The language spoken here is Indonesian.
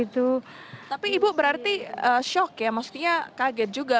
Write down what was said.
tapi ibu berarti shock ya maksudnya kaget juga